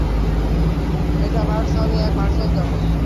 Metaverse হবে এক virtual জগৎ।